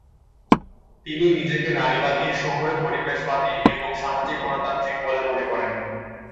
তিনি নিজেকে নারীবাদী, শহুরে পরিবেশবাদী এবং সামাজিক গণতান্ত্রিক বলে মনে করেন।